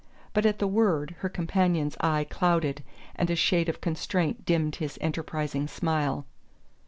But at the word her companion's eye clouded, and a shade of constraint dimmed his enterprising smile.